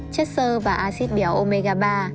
chất sơ và acid béo omega ba